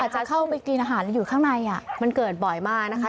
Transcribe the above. จะเข้าไปกินอาหารแล้วอยู่ข้างในมันเกิดบ่อยมากนะคะ